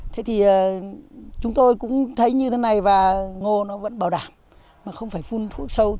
thế thì chúng tôi cũng thấy như thế này và ngô nó vẫn bảo đảm mà không phải phun thuốc sâu